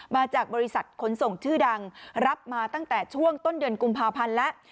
มาจากบริษัทขนส่งชื่อดังรับมาตั้งแต่ช่วงต้นเดือนกุมภาพันธ์แล้ว